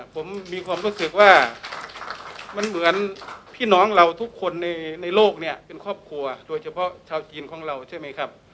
ผมมีความรู้สึกว่ามันเหมือนพี่น้องเราทุกคนในโลกเนี่ยเป็นครอบครัวโดยเฉพาะชาวจีนของเราใช่ไหมครับ